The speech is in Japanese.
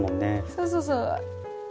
そうそうそう。